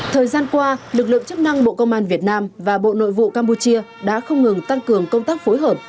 thời gian qua lực lượng chức năng bộ công an việt nam và bộ nội vụ campuchia đã không ngừng tăng cường công tác phối hợp